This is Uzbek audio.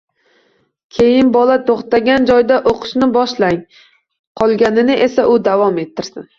Keyin bola to‘xtagan joydan o‘qishni boshlang, qolganini esa u davom ettirsin.